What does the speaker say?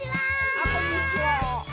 あこんにちは。